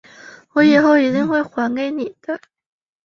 我以后一定会还你的